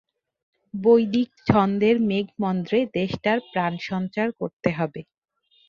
বৈদিক ছন্দের মেঘমন্দ্রে দেশটার প্রাণসঞ্চার করতে হবে।